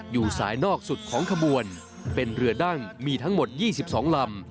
อยู่สายนอกสุดของขบวนเป็นเรือดั้งมีทั้งหมด๒๒ลำ